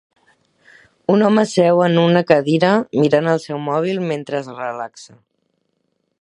Un home seu en una cadira, mirant el seu mòbil mentre es relaxa.